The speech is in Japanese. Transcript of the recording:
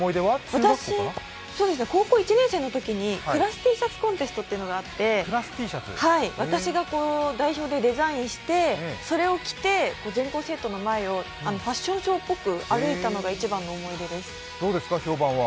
私、高校１年生のときにクラスＴシャツコンテストというのがあって私が代表でデザインしてそれを着て全校生徒の前をファッションショーっぽく歩いたのが思い出です。